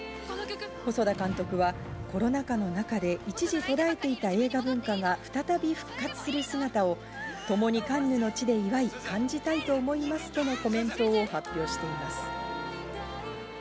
細田監督はコロナ禍の中で一時、途絶えていた映画文化が再び復活する姿をともにカンヌの地で祝い、感じたいと思いますとのコメントを発表しています。